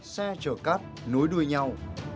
xe chở cát nối đuôi nhau